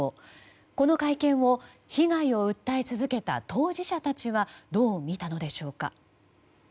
この会見を被害を訴え続けた当事者たちはどう見たのでしょうか。